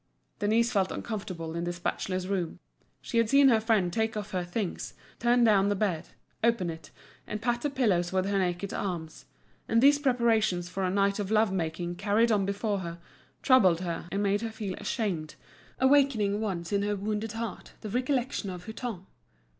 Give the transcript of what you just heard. Denise felt uncomfortable in this bachelor's room. She had seen her friend take off her things, turn down the bed, open it, and pat the pillows with her naked arms; and these preparations for a night of love making carried on before her, troubled her, and made her feel ashamed, awakening once in her wounded heart the recollection of Hutin.